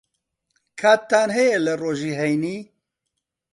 کاتتان ھەیە لە ڕۆژی ھەینی؟